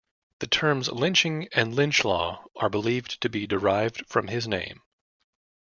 The terms "lynching" and "lynch law" are believed to be derived from his name.